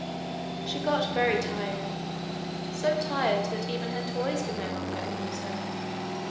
She got very tired, so tired that even her toys could no longer amuse her.